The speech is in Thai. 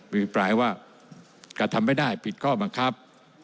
วิปรายว่ากระทำไม่ได้ผิดข้อบังคับ